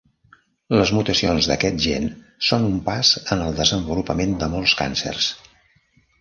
Les mutacions d'aquest gen són un pas en el desenvolupament de molts càncers.